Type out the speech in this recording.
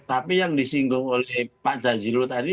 tapi yang disinggung oleh pak jazilul tadi